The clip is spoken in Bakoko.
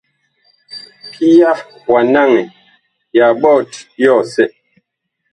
Pia wa naŋɛ ya ɓɔt yɔsɛ.